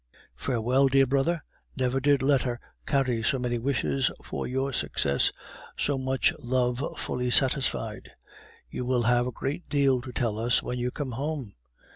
"Farewell, dear brother, never did letter carry so many wishes for your success, so much love fully satisfied. You will have a great deal to tell us when you come home!